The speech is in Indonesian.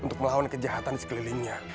untuk melawan kejahatan sekelilingnya